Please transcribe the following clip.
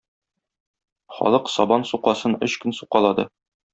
Халык сабан сукасын өч көн сукалады.